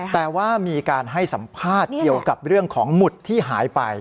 แต่ว่ามีการให้สัมภาษณ์เกี่ยวกับเรื่องของหมุดที่หายไป